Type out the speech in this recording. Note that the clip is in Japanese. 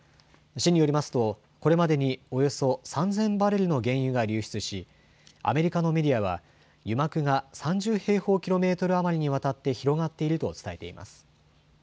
市によりますと、これまでにおよそ３０００バレルの原油が流出しアメリカのメディアは油膜が３０平方キロメートル余りにわたって広がっていると伝えています。